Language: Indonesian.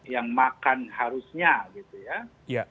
yang makan harusnya gitu ya